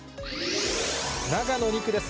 長野２区です。